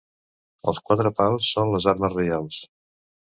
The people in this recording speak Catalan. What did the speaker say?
Els quatre pals són les armes reials.